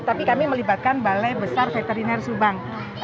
tapi kami melibatkan balai besar veteriner subang